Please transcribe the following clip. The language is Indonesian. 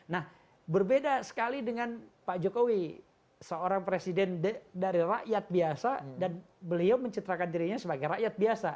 nah berbeda sekali dengan pak jokowi seorang presiden dari rakyat biasa dan beliau mencitrakan dirinya sebagai rakyat biasa